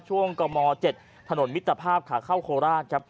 ช่วงกม๗ถนนมิตรภาพขาเข้าโคราชครับ